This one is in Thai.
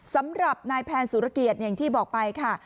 สำหรับนายแพนสุรเกียรติอย่างที่บอกไปค่ะ